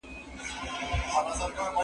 زه به سبا د سبا لپاره د يادښتونه ترتيب کړم!؟